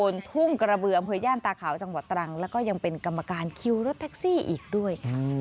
และก็ยังเป็นกรรมการคิวรถทักซี่อีกด้วย